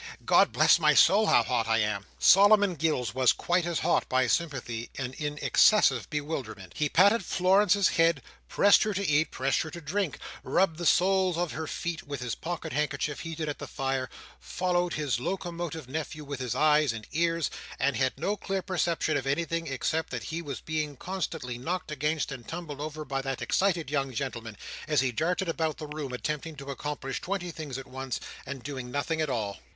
—God bless my soul, how hot I am!" Solomon Gills was quite as hot, by sympathy, and in excessive bewilderment. He patted Florence's head, pressed her to eat, pressed her to drink, rubbed the soles of her feet with his pocket handkerchief heated at the fire, followed his locomotive nephew with his eyes, and ears, and had no clear perception of anything except that he was being constantly knocked against and tumbled over by that excited young gentleman, as he darted about the room attempting to accomplish twenty things at once, and doing nothing at all.